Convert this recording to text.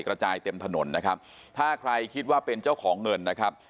กระจายเต็มถนนนะครับถ้าใครคิดว่าเป็นเจ้าของเงินนะครับ